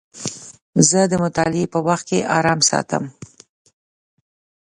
زه د مطالعې په وخت کې ارام ساتم.